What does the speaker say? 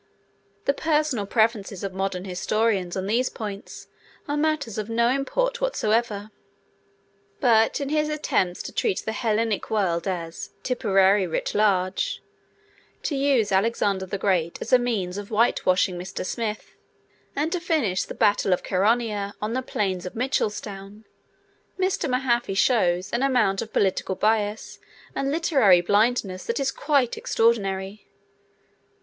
The personal preferences of modern historians on these points are matters of no import whatsoever. But in his attempts to treat the Hellenic world as 'Tipperary writ large,' to use Alexander the Great as a means of whitewashing Mr. Smith, and to finish the battle of Chaeronea on the plains of Mitchelstown, Mr. Mahaffy shows an amount of political bias and literary blindness that is quite extraordinary.